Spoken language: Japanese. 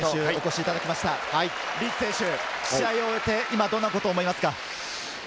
リーチ選手、試合を終えて、どんなことを思いますか。